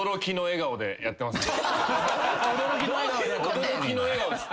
驚きの笑顔です。